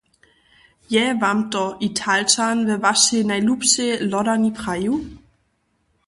Je wam to Italčan we wašej najlubšej lodarni prajił?